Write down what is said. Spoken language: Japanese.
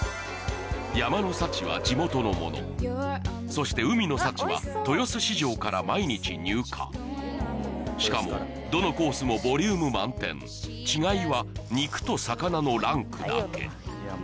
山の幸は地元のものそして海の幸は豊洲市場から毎日入荷しかもどのコースもボリューム満点おいしい。